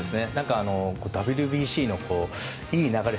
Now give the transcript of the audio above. ＷＢＣのいい流れ